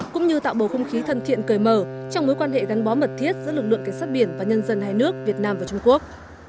cũng như tạo bầu không khí thân thiện cười mở trong mối quan hệ gắn bó mật thiết giữa lực lượng cảnh sát biển và nhân dân hai nước việt nam và trung quốc